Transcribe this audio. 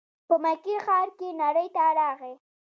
په مکې ښار کې نړۍ ته راغی.